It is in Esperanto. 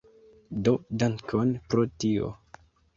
Do, dankon pro tio